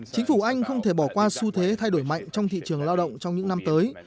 chính phủ anh không thể bỏ qua xu thế thay đổi mạnh trong thị trường lao động trong những năm tới